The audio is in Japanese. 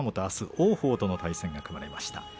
あすは王鵬との対戦が組まれました。